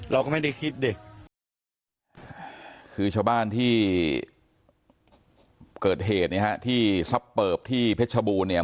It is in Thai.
เราก็ไม่ได้คิดเด็กคือชาวบ้านที่เกิดเหตุเนี่ยฮะที่ซับเปิบที่เพชรบูรณเนี่ย